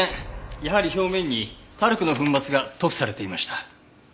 やはり表面にタルクの粉末が塗布されていました。